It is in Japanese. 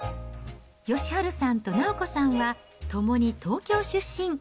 義治さんと直子さんは、ともに東京出身。